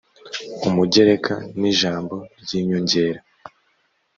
umugereka nijambo ryinyongera.